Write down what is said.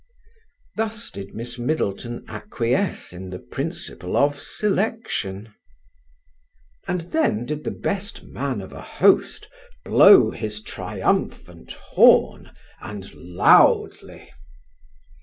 Thus did Miss Middleton acquiesce in the principle of selection. And then did the best man of a host blow his triumphant horn, and loudly.